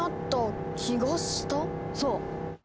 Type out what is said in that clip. そう。